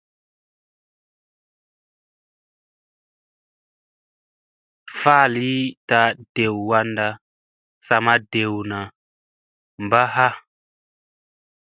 Falita dew wanda sa ma dewna mba ha.